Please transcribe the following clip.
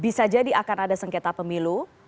bisa jadi akan ada sengketa pemilu